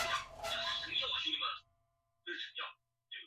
母程氏。